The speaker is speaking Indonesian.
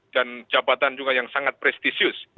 dan jabatan juga yang sangat prestisius